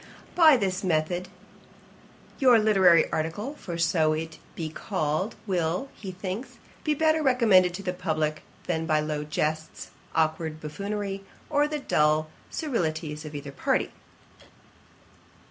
By this method, your literary article, for so it might be called, will, he thinks, be better recommended to the publick than by low jests, awkward buffoonery, or the dull scurrilities of either party.